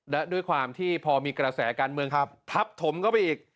และด้วยความที่พอมีกระแสการเมืองทับถมเข้าไปอีก